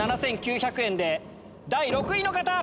２万７９００円で第６位の方！